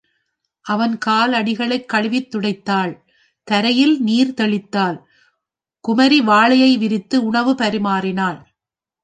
அவன் கால் அடிகளைக் கழுவித் துடைத்தாள், தரையில் நீர் தெளித்தாள், குமரிவாழையை விரித்து உணவு பரிமாறினாள்.